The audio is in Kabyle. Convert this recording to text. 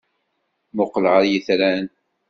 Mmuqqel ɣer yitran.